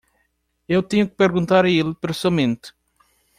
Eu tenho que perguntar a ele pessoalmente.